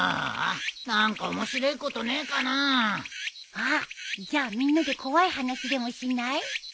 あっじゃあみんなで怖い話でもしない？